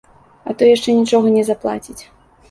А то яшчэ нічога не заплаціць.